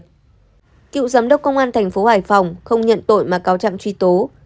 cựu giám đốc công an tp hải phòng không nhận tội mà cáo chẳng truy tố